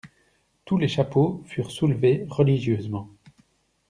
Tous les chapeaux furent soulevés religieusement.